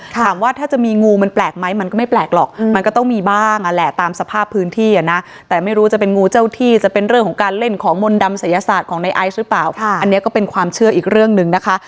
ถามว่าถ้าจะมีงูมันแปลกไหมมันก็ไม่แปลกหรอกมันก็ต้องมีบ้างอ่ะแหละตามสภาพพื้นที่อ่ะนะแต่ไม่รู้จะเป็นงูเจ้าที่จะเป็นเรื่องของการเล่นของมนต์ดำศัยศาสตร์ของในไอซ์หรือเปล่าอันนี้ก็เป็นความเชื่ออีกเรื่องหนึ่งนะคะ